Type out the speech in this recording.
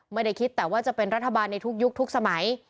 ไม่ได้คิดแต่ว่าจะเป็นรัฐบาลในทุกยุคทุกสมัย